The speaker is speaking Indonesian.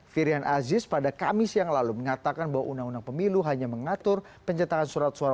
firian aziz pada kamis yang lalu mengatakan bahwa undang undang pemilu hanya mengatur pencetakan surat suara